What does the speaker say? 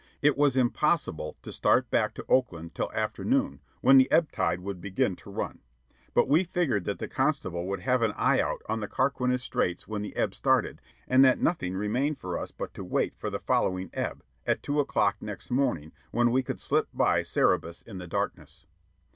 It was impossible to start back to Oakland till afternoon, when the ebb would begin to run. But we figured that the constable would have an eye out on the Carquinez Straits when the ebb started, and that nothing remained for us but to wait for the following ebb, at two o'clock next morning, when we could slip by Cerberus in the darkness.